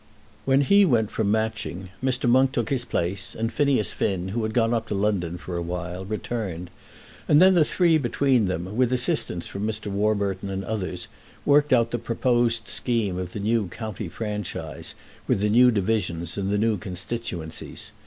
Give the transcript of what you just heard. When he went from Matching Mr. Monk took his place, and Phineas Finn, who had gone up to London for a while, returned; and then the three between them, with assistance from Mr. Warburton and others, worked out the proposed scheme of the new county franchise, with the new divisions and the new constituencies.